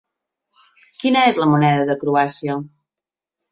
Quina és la moneda de Croàcia?